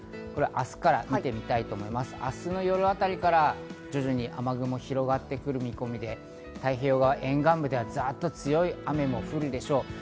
明日の夜あたりから徐々に雨雲が広がってくる見込みで、太平洋側、沿岸部では、ざっと強い雨も降るでしょう。